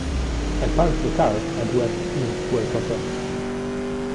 I parked the car, and went in, well content.